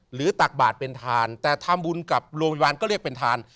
ตักบาทเป็นทานแต่ทำบุญกับโรงพยาบาลก็เรียกเป็นทาน